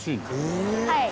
「はい。